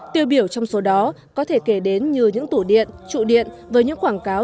tiêu biểu trong số đó có thể kể đến như những tủ điện trụ điện với những quảng cáo